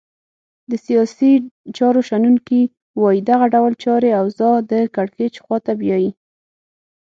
د سیاسي چارو شنونکي وایې دغه ډول چاري اوضاع د کرکېچ خواته بیایې.